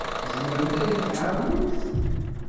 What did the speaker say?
Tzemremt ad iyi-tɛawnemt?